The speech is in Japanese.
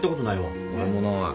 俺もない。